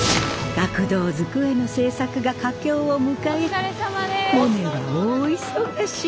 学童机の製作が佳境を迎えモネは大忙し。